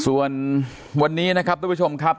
ส่วนวันนี้นะครับทุกผู้ชมครับ